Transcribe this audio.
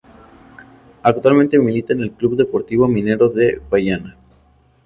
Actualmente milita en el Club Deportivo Mineros de Guayana.